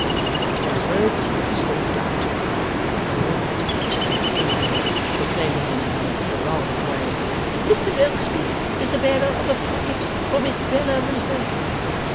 With those words she stalked out. In a few moments she stalked in again, proclaiming in her heraldic manner, 'Mr Rokesmith is the bearer of a packet for Miss Bella Wilfer.